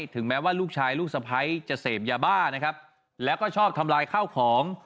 ถึงแม้ว่าลูกชายลูกสะพ้ายจะเสพยาบ้านะครับแล้วก็ชอบทำลายข้าวของ